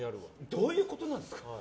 どういうことなんですか？